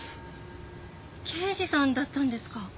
刑事さんだったんですか。